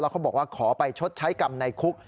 เขาบอกว่าขอไปชดใช้กรรมในคุก